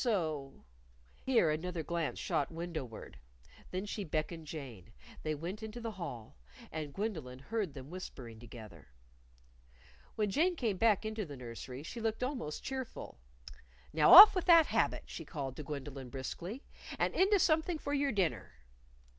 So " Here another glance shot window ward. Then she beckoned Jane. They went into the hall. And Gwendolyn heard them whispering together. When Jane came back into the nursery she looked almost cheerful. "Now off with that habit," she called to Gwendolyn briskly. "And into something for your dinner."